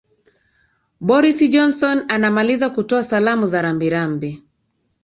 boris johnson anamaliza kutoa salaam za rambirambi